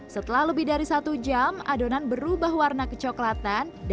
setelah lebih dari satu jam adonan berubah warna kecoklatan